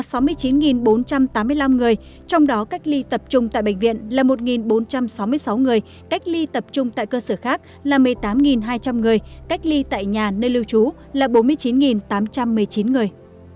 tổng số người vùng dịch đang được theo dõi sức khỏe là sáu mươi chín bốn trăm tám mươi năm người trong đó cách ly tập trung tại bệnh viện là một bốn trăm sáu mươi sáu người cách ly tập trung tại cơ sở khác là một mươi tám hai trăm linh người cách ly tại nhà nơi lưu trú là bốn mươi chín tám trăm một mươi chín người